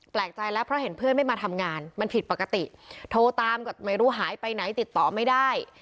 แปลกใจแล้วเพราะเห็นเพื่อนไม่มาทำงานมันผิดปกติโทรตามก็ไม่รู้หายไปไหนติดต่อไม่ได้